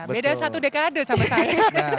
beda satu dekade sama saya